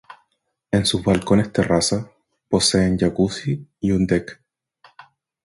En sus balcones-terraza, poseen jacuzzi y un "deck".